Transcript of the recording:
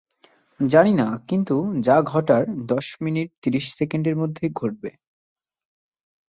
জানি না, কিন্তু যা ঘটার দশ মিনিট ত্রিশ সেকেন্ডের মধ্যেই ঘটবে।